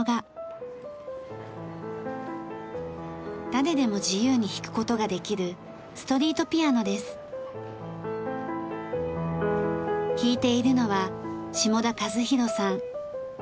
誰でも自由に弾く事ができる弾いているのは霜田和洋さん。